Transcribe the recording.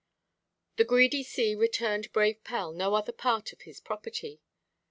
The greedy sea returned brave Pell no other part of his property.